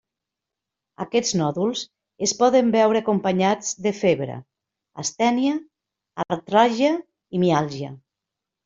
Aquests nòduls es poden veure acompanyats de febre, astènia, artràlgia i miàlgia.